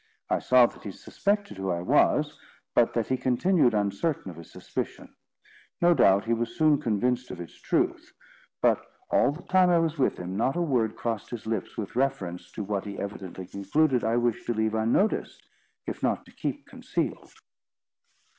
I saw that he suspected who I was, but that he continued uncertain of his suspicion. No doubt he was soon convinced of its truth; but all the time I was with him, not a word crossed his lips with reference to what he evidently concluded I wished to leave unnoticed, if not to keep concealed.